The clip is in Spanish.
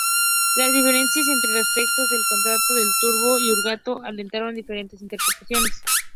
Las diferencias entre los textos del tratado en turco y húngaro alentaron diferentes interpretaciones.